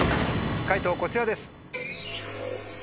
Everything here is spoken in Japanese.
解答こちらです。